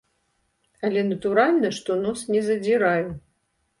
Але, натуральна, што нос не задзіраю.